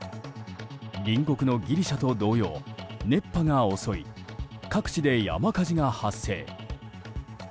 隣国のギリシャと同様熱波が襲い各地で山火事が発生。